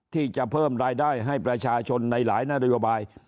ที่จะเพิ่มรายได้ให้ประชาชนในหลายนโยบาย